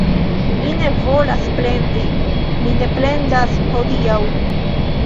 Mi ne volas plendi... Mi ne plendas hodiaŭ